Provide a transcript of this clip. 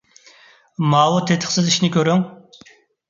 ماۋۇ تېتىقسىز ئىشنى كۆرۈڭ!